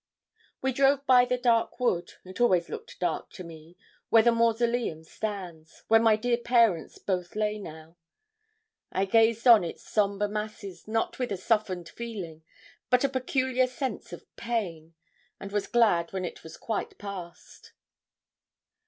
We drove by the dark wood it always looked dark to me where the 'mausoleum' stands where my dear parents both lay now. I gazed on its sombre masses not with a softened feeling, but a peculiar sense of pain, and was glad when it was quite past.